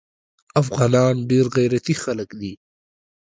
افغانان ډیر غیرتي خلک دي